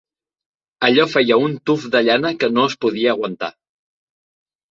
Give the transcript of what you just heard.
Allò feia un tuf de llana que no es podia aguantar.